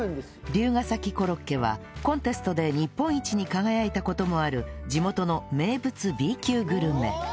龍ケ崎コロッケはコンテストで日本一に輝いた事もある地元の名物 Ｂ 級グルメ